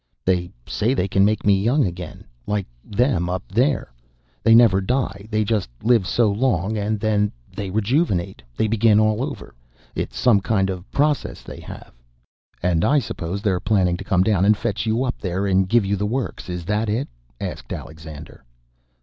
"They say they can make me young again. Like them up there. They never die. They just live so long, and then they rejuvenate, they begin all over. It's some kind of a process they have." "And I suppose they're planning to come down and fetch you up there and give you the works, is that it?" asked Alexander.